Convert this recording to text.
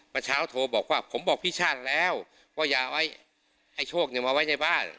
มาเช้าโทบอกว่าผมบอกพิชาติแล้วว่าอย่าเอาไอ้โชคเนี่ยมาไว้ในบ้าน